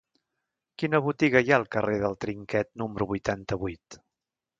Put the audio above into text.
Quina botiga hi ha al carrer del Trinquet número vuitanta-vuit?